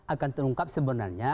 akan terungkap sebenarnya